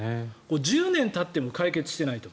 １０年たっても解決していないと。